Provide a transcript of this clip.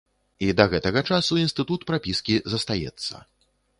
І да гэтага часу інстытут прапіскі застаецца.